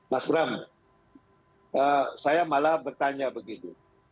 mas bram saya malah bertanya begitu